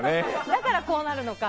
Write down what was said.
だからこうなるのか。